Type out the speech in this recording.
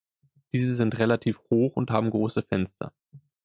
Diese sind relativ hoch und haben grosse Fenster.